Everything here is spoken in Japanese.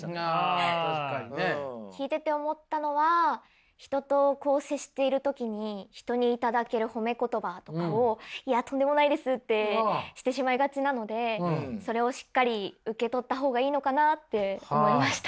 聞いてて思ったのは人と接している時に人に頂ける褒め言葉とかを「いやとんでもないです」ってしてしまいがちなのでそれをしっかり受け取った方がいいのかなって思いました。